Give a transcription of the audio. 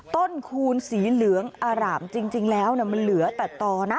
คูณสีเหลืองอร่ามจริงแล้วมันเหลือแต่ต่อนะ